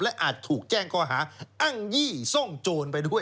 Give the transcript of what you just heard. อาจถูกแจ้งข้อหาอ้างยี่ซ่องโจรไปด้วย